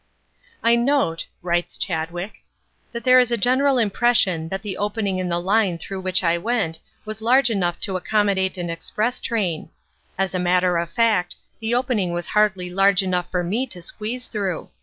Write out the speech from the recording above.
"I note," writes Chadwick, "that there is a general impression that the opening in the line through which I went was large enough to accommodate an express train. As a matter of fact, the opening was hardly large enough for me to squeeze through.